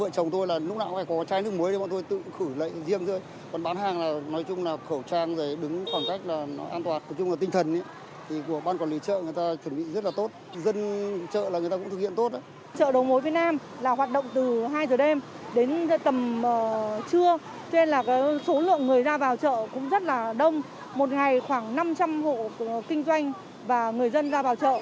chợ cũng rất là đông một ngày khoảng năm trăm linh hộ kinh doanh và người dân ra vào chợ